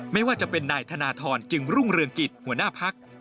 ไม่ว่าจะเป็นนายธนทรจึงรุ่งเรืองกิจหัวหน้าพัก